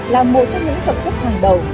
là một trong những dòng chất hàng đầu